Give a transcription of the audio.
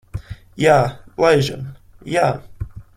Jā, laižam. Jā.